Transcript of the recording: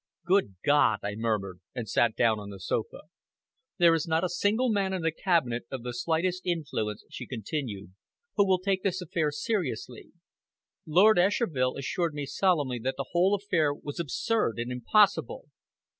"Good God!" I murmured, and sat down on the sofa. "There is not a single man in the Cabinet of the slightest influence," she continued, "who will take this affair seriously. Lord Esherville assured me solemnly that the whole affair was absurd and impossible.